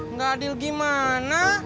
nggak adil gimana